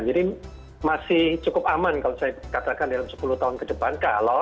jadi masih cukup aman kalau saya katakan dalam sepuluh tahun ke depan